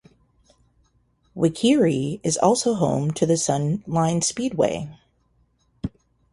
Waikerie is also home to the Sunline Speedway.